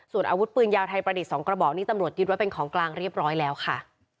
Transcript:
ส่วนอาวุธปืนยาวไทยประดิษฐ์๒กระบอกนี้ตำรวจยึดไว้เป็นของกลางเรียบร้อยแล้วค่ะ